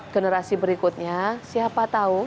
generasi berikutnya siapa tahu